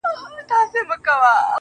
ته مُلا په دې پېړۍ قال ـ قال کي کړې بدل,